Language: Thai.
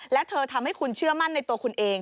และเธอทำให้คุณเชื่อมั่นในตัวคุณเอง